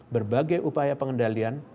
berbagai upaya pengendalian